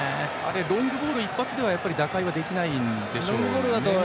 ロングボール一発では打開できないんでしょうね。